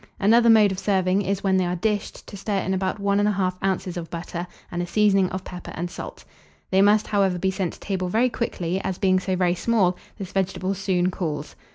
Another mode of serving is, when they are dished, to stir in about 1 1/2 oz. of butter and a seasoning of pepper and salt. They must, however, be sent to table very quickly, as, being so very small, this vegetable soon cools.